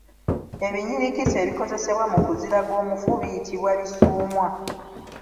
Ebinyirikisi ebikozesebwa mu kuziraga omufu biyitibwa Bisuumwa.